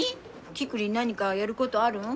キクリン何かやることあるん？